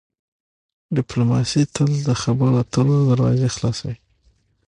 ډیپلوماسي تل د خبرو اترو دروازې خلاصوي.